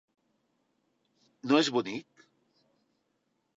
No és bonic?